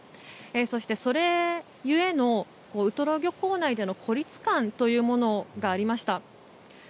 そしてそれゆえのウトロ漁港内での孤立感というものがありました。